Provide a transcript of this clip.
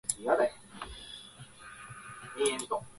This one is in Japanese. アイスランドの首都はレイキャヴィークである